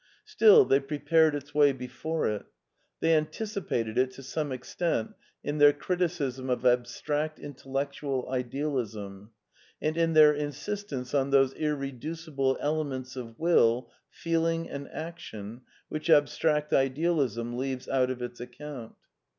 Still, they pre pared its way before it ; they anticipated it to some extent in their criticism of abstract intellectual Idealism, and in their insistence on those irreducible elements of will, feel ing and action which abstract Idealism leaves out of its account.